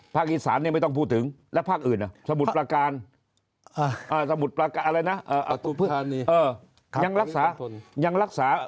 ภาคอิสานไม่ต้องพูดถึงแล้วภาคอื่นสมุทรปราการยังรักษา